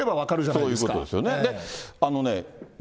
そういうことですよね。